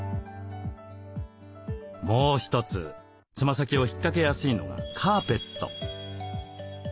もう一つつま先を引っかけやすいのがカーペット。